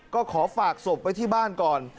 ก็ขอฝากศพไว้ที่บ้านก่อน